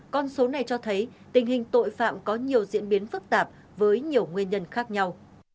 con số này cho thấy tình hình tội phạm có nhiều diễn biến phức tạp với nhiều nguyên nhân khác nhau